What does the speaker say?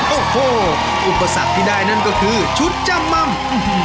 โอ้โหอุปสรรคที่ได้นั่นก็คือชุดจำม่ำ